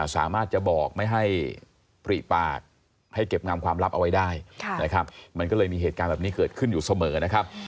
สามารถจะบอกไม่ให้ปริปากให้เก็บงามความลับเอาไว้ได้นะครับมันก็เลยมีเหตุการณ์แบบนี้เกิดขึ้นอยู่เสมอนะครับ